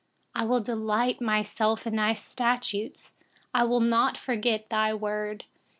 16I will delight myself in your statutes. I will not forget your word.